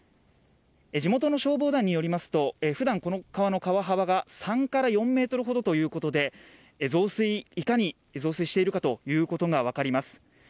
地元の消防団によりますと普段、この川の川幅が３４ｍほどということでいかに増水しているかということが分かります。